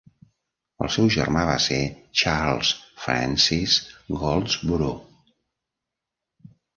El seu germà va ser Charles Frances Goldsborough.